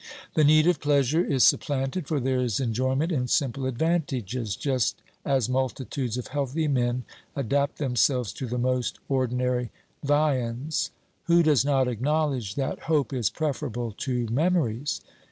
The need of pleasure is sup planted, for there is enjoyment in simple advantages, just as multitudes of healthy men adapt themselves to the most ordinary viands. Who does not acknowledge that hope is preferable to memories?